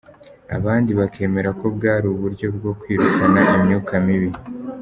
Abandi bakemera ko bwari uburyo bwo kwirukana imyuka mibi.